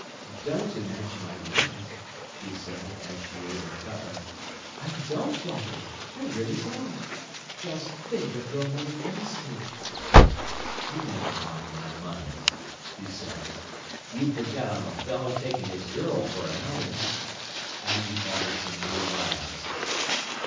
"Don't imagine I like it," she said, as she ate her cutlet. "I don't like it, I really don't! Just think of your money wasted!" "You never mind my money," he said. "You forget I'm a fellow taking his girl for an outing." And he bought her some blue violets.